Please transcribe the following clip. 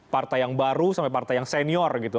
partai yang baru sampai partai yang senior gitu